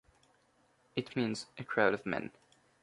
It means "a crowd of men".